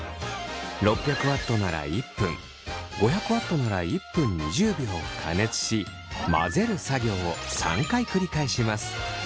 ６００Ｗなら１分５００Ｗなら１分２０秒加熱し混ぜる作業を３回繰り返します。